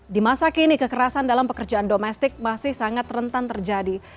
di masa kini kekerasan dalam pekerjaan domestik masih sangat rentan terjadi